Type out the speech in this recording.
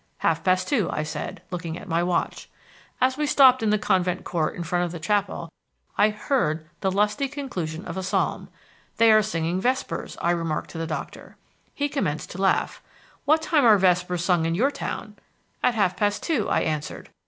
'Half past two,' I said, looking at my watch. As we stopped in the convent court in front of the chapel I heard the lusty conclusion of a psalm. 'They are singing vespers,' I remarked to the doctor. He commenced to laugh. 'What time are vespers sung in your town?' 'At half past two,' I answered.